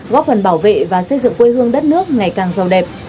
góp phần bảo vệ và xây dựng quê hương đất nước ngày càng giàu đẹp